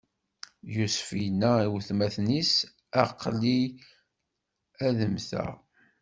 Yusef inna i watmaten-is: Aql-i ad mmteɣ!